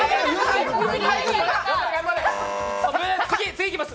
次いきます